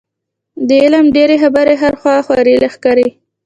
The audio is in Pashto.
د عالم ډېرې خبرې هره خوا خورې لښکرې.